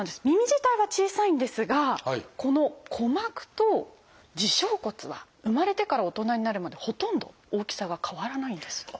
耳自体は小さいんですがこの鼓膜と耳小骨は生まれてから大人になるまでほとんど大きさが変わらないんです。